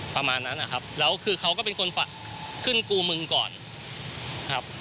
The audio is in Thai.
ประมาณนั้นนะครับแล้วคือเขาก็เป็นคนฝากขึ้นกูมึงก่อนครับ